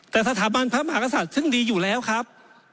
แต่สถาบันพระมหากษัตริย์ซึ่งดีอยู่แล้วครับ